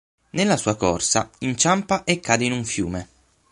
Nella sua corsa, inciampa e cade in un fiume.